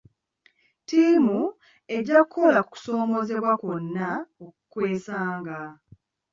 Ttiimu ejja kukola ku kusoomoozebwa kwonna kw'esanga.